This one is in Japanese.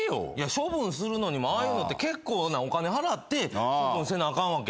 処分するのにもああいうのって結構なお金払って処分せなあかんわけ。